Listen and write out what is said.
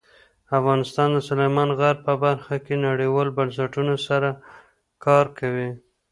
افغانستان د سلیمان غر په برخه کې نړیوالو بنسټونو سره کار کوي.